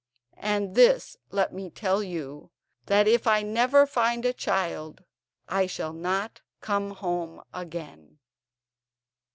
And this let me tell you: that if I never find a child I shall not come home again."